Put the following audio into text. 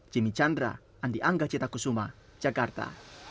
jimmy chandra andi angga cetakusuma jakarta